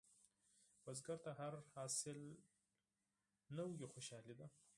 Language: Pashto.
بزګر ته هر حاصل نوې خوشالي ده